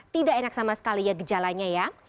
tidak enak sama sekali ya gejalanya ya